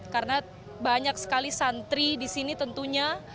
karena banyak sekali santri di sini tentunya